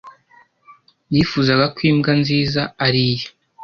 Yifuzaga ko imbwa nziza ari iye.